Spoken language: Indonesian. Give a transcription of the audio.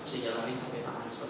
sejalanin sampai tangan selesai